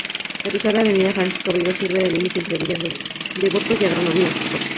Al cruzar la Avenida Francisco Beiró sirve de límite entre Villa Devoto y Agronomía.